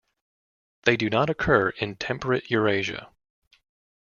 They do not occur in temperate Eurasia.